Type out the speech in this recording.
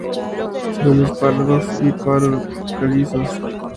Suelos pardos y paro-calizos.